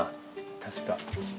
確か。